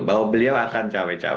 bahwa beliau akan cewek cewek